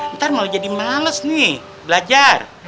ntar mau jadi males nih belajar